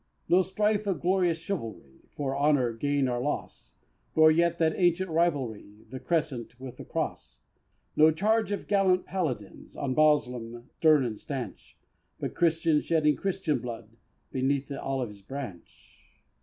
No strife of glorious Chivalry, For honor's gain or loss, Nor yet that ancient rivalry, The Crescent with the Cross. No charge of gallant Paladins On Moslems stern and stanch; But Christians shedding Christian blood Beneath the olive's branch!